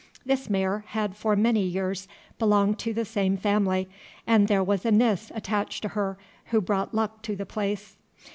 This mare had for many years belonged to the same family, and there was a Nis attached to her who brought luck to the place.